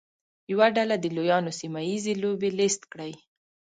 یوه ډله د لویانو سیمه ییزې لوبې لیست کړي.